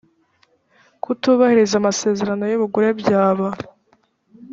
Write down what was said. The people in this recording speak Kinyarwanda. kutubahiriza amasezerano y ubugure byaba